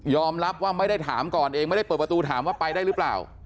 รับว่าไม่ได้ถามก่อนเองไม่ได้เปิดประตูถามว่าไปได้หรือเปล่า